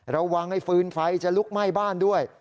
ระวังไอ้ฟืนไฟจะลุกไหม้บ้านด้วย